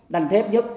đanh thép nhất